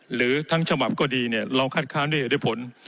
หรือทั้งฉบับก็ดีเราคาดคล้านได้้เหตุผล